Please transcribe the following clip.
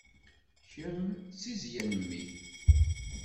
Kemm d tizzya n mmi.